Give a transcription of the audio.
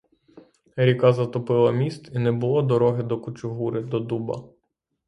Ріка затопила міст, і не було дороги до кучугури, до дуба.